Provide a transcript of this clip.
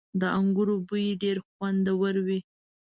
• د انګورو بوی ډېر خوندور وي.